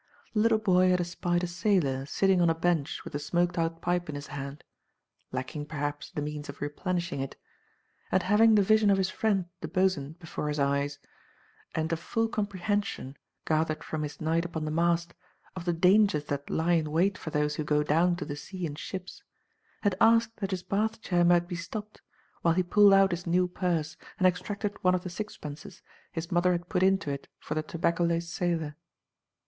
The little boy had espied a sailor sitting on a bench with a smoked out pipe in his hand (lacking, perhaps, the means of replenishing it), and having the vision of his friend the bos'n before his eyes, and a full comprehension, gathered from his night upon the mast, of the dangers that lie in wait for those who go down to the sea in ships, had asked that his bath chair might be stopped, while he pulled out his new purse and extracted one of the sixpences his mother had put into it for the tobaccoless sailor.